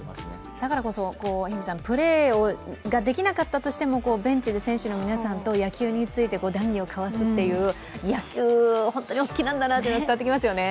だからこそ、プレーができなかったとしても、ベンチで選手の皆さんと野球について談義を交わすという野球が本当にお好きなんだなというのが伝わってきますよね。